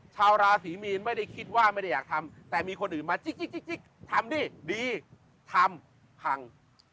ชาวราศีมีนไม่ได้คิดว่าไม่ได้อยากทำแต่มีคนอื่นมาจิ๊กทำดิดีทำพัง